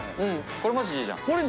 これマジいいじゃん。